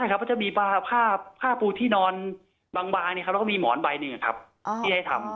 ใช่ครับเขาจะมีผ้าผู้ที่นอนบางเนี่ยครับแล้วก็มีหมอนใบหนึ่งอะครับที่ให้ทำ